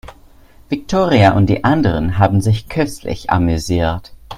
Viktoria und die anderen haben sich köstlich amüsiert.